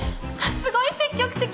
すごい積極的。